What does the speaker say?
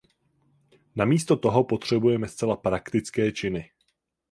Namísto toho potřebujeme zcela praktické činy.